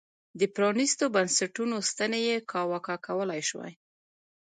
د پرانیستو بنسټونو ستنې یې کاواکه کولای شوای.